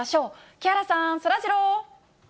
木原さん、そらジロー。